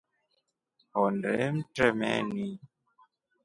Hondee mtremeni.